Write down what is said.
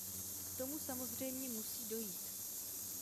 K tomu samozřejmě musí dojít.